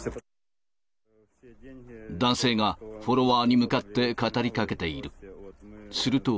男性がフォロワーに向かって語りかけている。